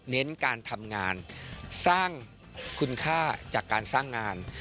เน้นการทำงานสร้างคุณค่าจากการสร้างงาน